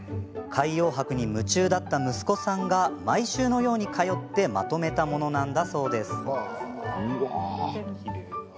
海洋博に夢中だった息子さんが毎週のように通ってまとめたものなんだそうです。